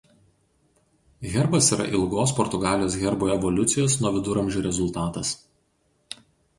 Herbas yra ilgos Portugalijos herbų evoliucijos nuo viduramžių rezultatas.